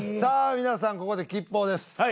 皆さんここで吉報です